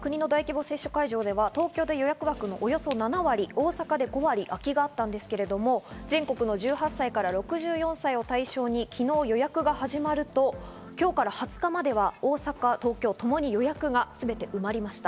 東京で予約枠のおよそ７割、大阪で５割空きがあったんですけれども全国の１８歳から６４歳を対象に昨日、予約が始まると今日から２０日までは大阪・東京ともに予約がすべて埋まりました。